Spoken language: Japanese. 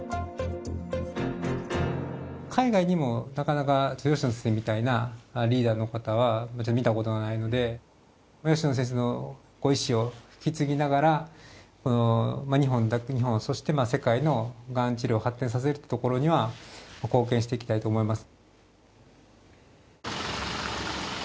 海外にもなかなか吉野先生みたいなリーダーの方は見たことがないので吉野先生のご意志を引き継ぎながら日本そして世界のがん治療を発展させるところには貢献していきたいと思います。